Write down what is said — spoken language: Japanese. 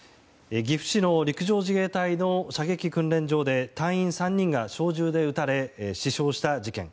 岐阜市の陸上自衛隊の射撃訓練場で隊員３人が小銃で撃たれ死傷した事件。